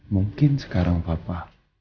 mungkin sekarang papa